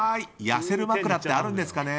痩せる枕ってあるんですかね。